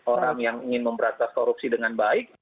orang yang ingin memberantas korupsi dengan baik